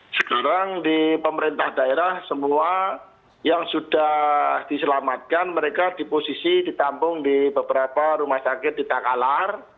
sekarang di pemerintah daerah semua yang sudah diselamatkan mereka diposisi ditampung di beberapa rumah sakit ditakalar